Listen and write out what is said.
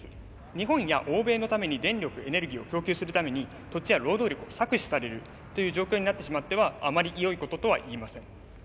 日本や欧米のために電力エネルギーを供給するために土地や労働力を搾取されるという状況になってしまってはあまりよいこととは言えません。